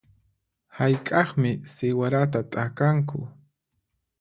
Hayk'aqmi siwarata t'akanku?